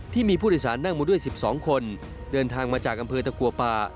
ที่มีผู้โดยสารนั่งมาด้วย๑๒คนเดินทางมาจากอำเภอตะกัวป่า